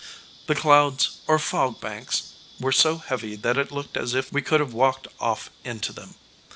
The clouds, or fog banks, were so heavy that it looked as if we could have walked off into them.